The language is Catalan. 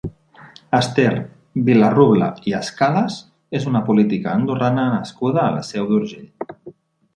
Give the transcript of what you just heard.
Ester Vilarrubla i Escales és una política andorrana nascuda a la Seu d'Urgell.